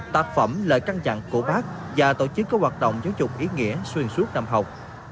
tạp phẩm lời căn dặn của bác và tổ chức các hoạt động giáo dục ý nghĩa xuyên suốt năm học